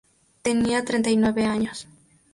Tenía treinta y nueve años.